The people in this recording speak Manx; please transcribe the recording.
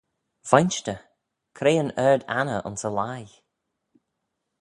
Vainshtyr, cre yn ard anney ayns y leigh?